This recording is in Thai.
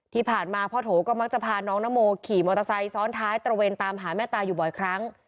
ที่ผ่านมาพ่อโถก็มักจะพาน้องนโมขี่มอเตอร์ไซค์ซ้อนท้ายตระเวนตามหาแม่ตาอยู่บ่อยครั้ง